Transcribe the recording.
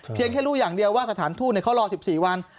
เพียงแค่รู้อย่างเดียวว่าสถานทู่เนี่ยเขารอ๑๔วัน